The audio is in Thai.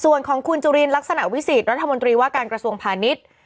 ส่วนของคุณจุลินลักษณะวิสิตรัฐมนตรีว่าการกระทรวงพาณิชย์